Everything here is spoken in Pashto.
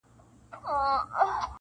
چي يوه به لاپي كړې بل به خندله-